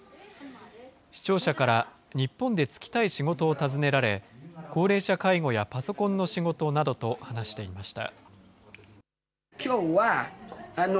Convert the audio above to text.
視聴者から日本で就きたい仕事を尋ねられ、高齢者介護やパソコンの仕事などと話していました。